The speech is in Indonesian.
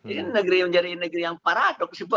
ini negeri yang menjadi negeri yang paradoks